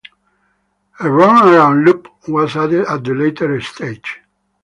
A runaround loop was added at a later stage.